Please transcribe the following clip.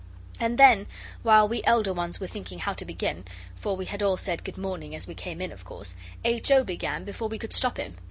And then, while we elder ones were thinking how to begin, for we had all said 'Good morning' as we came in, of course, H. O. began before we could stop him.